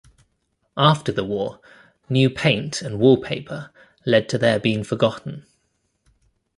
After the war, new paint and wallpaper led to their being forgotten.